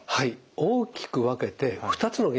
大きく分けて２つの原因があります。